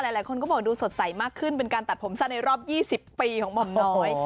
หลายคนก็บอกดูสดใสมากขึ้นเป็นการตัดผมสั้นในรอบ๒๐ปีของหม่อมน้อย